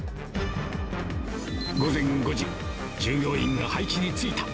午前５時、従業員が配置についた。